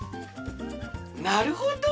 なるほど！